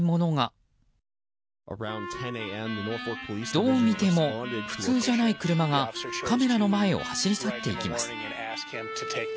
どう見ても普通じゃない車がカメラの前を走り去っていきます。